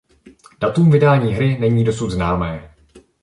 Datum vydání hry není dosud známé.